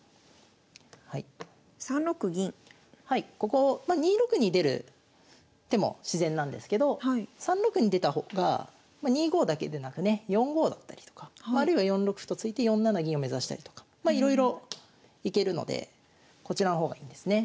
ここ２六に出る手も自然なんですけど３六に出た方がま２五だけでなくね４五だったりとかあるいは４六歩と突いて４七銀を目指したりとかまいろいろ行けるのでこちらの方がいいんですね。